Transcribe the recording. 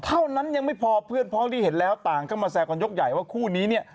เท่านั้นยังไม่พอเพื่อนพร้อมที่เห็นแล้วต่างเข้ามาแซวกันยกใหญ่ว่าคู่นี้เนี่ย